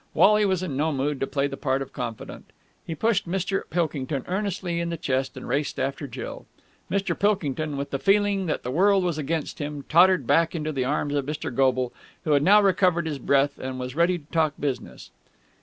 Wally was in no mood to play the part of confidant. He pushed Mr. Pilkington earnestly in the chest and raced after Jill. Mr. Pilkington, with the feeling that the world was against him, tottered back into the arms of Mr. Goble, who had now recovered his breath and was ready to talk business.